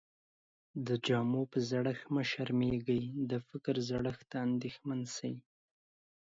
د جامو په زړښت مه شرمېږٸ، د فکر زړښت ته انديښمن سې.